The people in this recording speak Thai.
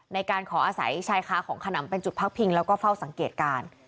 ในการขออาศัยชายค้าของขนำเป็นจุดพักพิงแล้วก็เฝ้าสังเกตการ